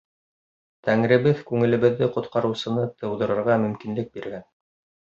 Тәңребеҙ күңелебеҙҙе ҡотҡарыусыны тыуҙырырға мөмкинлек биргән.